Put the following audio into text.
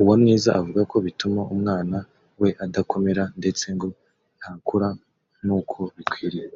Uwamwiza avuga ko bituma umwana we adakomera ndetse ngo ntakura n’uko bikwiriye